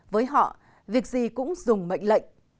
với họ việc gì cũng dùng mệnh lệnh